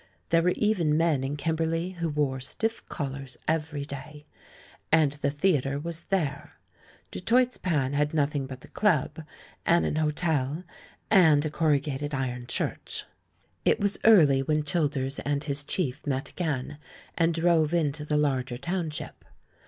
There were even men in Kimberley who wore stiff collars every day. And the theatre was there. Du Toit's Pan had nothing but the Club, and an hotel, and a corrugated iron church. It was early when Childers and his chief met again and drove into the larger township.